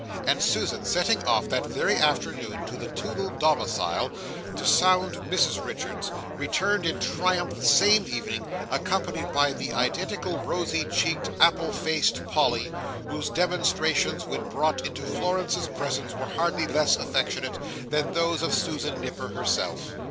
And Susan, setting off that very afternoon to the Toodle domicile, to sound Mrs Richards, returned in triumph the same evening, accompanied by the identical rosy cheeked apple faced Polly, whose demonstrations, when brought into Florence's presence, were hardly less affectionate than those of Susan Nipper herself.